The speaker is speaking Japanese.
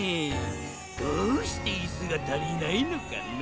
どうしていすがたりないのかな？